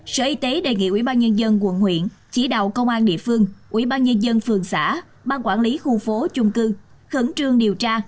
sở y tế đề nghị ubnd quận huyện chỉ đạo công an địa phương ubnd phường xã ban quản lý khu phố chung cư khẩn trương điều tra